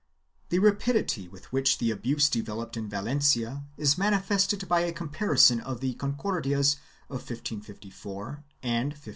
1 The rapidity with which the abuse developed in Valencia is manifested by a comparison of the Concordias of 1554 and 1568.